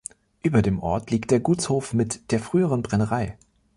Über dem Ort liegt der Gutshof mit der früheren Brennerei.